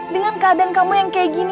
dengan keadaan kamu yang seperti ini